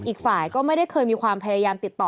อีกฝ่ายก็ไม่ได้เคยมีความพยายามติดต่อ